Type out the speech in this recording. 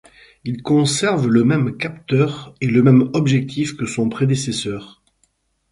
Il conserve le même capteur et le même objectif que son prédécesseur.